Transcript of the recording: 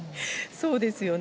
そうですよね。